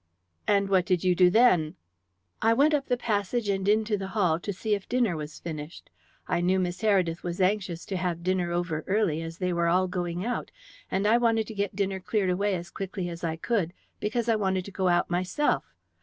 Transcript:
"And what did you do then?" "I went up the passage and into the hall to see if dinner was finished. I knew Miss Heredith was anxious to have dinner over early as they were all going out, and I wanted to get dinner cleared away as quickly as I could, because I wanted to go out myself.